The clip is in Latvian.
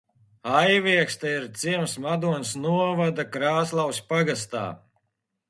Aiviekste ir ciems Madonas novada Kalsnavas pagastā.